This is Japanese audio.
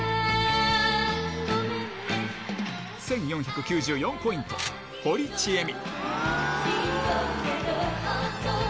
１４９４ポイント、堀ちえみ。